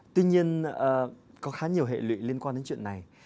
tuy nhiên có khá nhiều hệ lụy liên quan đến chuyện này